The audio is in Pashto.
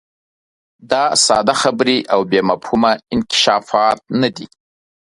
دا ساده خبرې او بې مفهومه انکشافات نه دي.